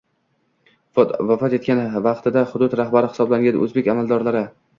Foto: Vafot etgan vaqtida hudud rahbari hisoblangan o‘zbek amaldorlari